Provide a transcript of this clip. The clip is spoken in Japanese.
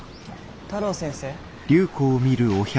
太郎先生。